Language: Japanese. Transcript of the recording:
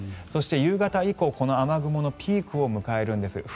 そして、夕方以降雨雲のピークを迎えるんです。